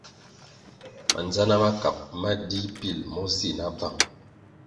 Mandzana makab ma dih pil mo zih na bvang.